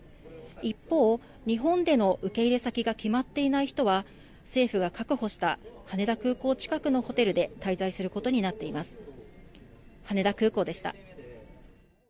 一方、日本での受け入れ先が決まっていない人は政府が確保した羽田空港近くのホテルで滞在することになっています。